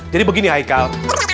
jadi begini haikel